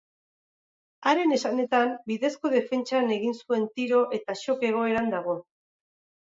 Haren esanetan, bidezko defentsan egin zuen tiro eta shock egoeran dago.